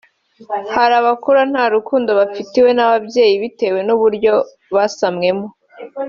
hari abakura nta rukundo bafitiwe n’ababyeyi bitewe n’uburyo basamwemo